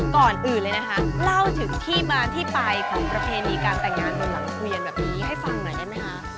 ก่อนอื่นเลยนะคะเล่าถึงที่มาที่ไปของประเพณีการแต่งงานบนหลังเกวียนแบบนี้ให้ฟังหน่อยได้ไหมคะ